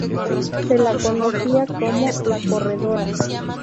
Se la conocía como "la Corredora".